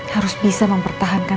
harus bisa mempertahankan